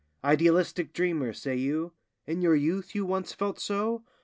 Idealistic dreamer, say you? In your youth you once felt so?